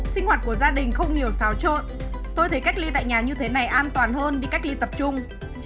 sinh hoạt của gia đình không nhiều xáo trộn tôi thấy cách ly tại nhà như thế này an toàn hơn đi cách ly tập trung